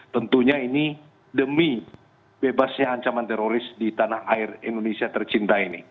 tentunya ini demi bebasnya ancaman teroris di tanah air indonesia tercinta ini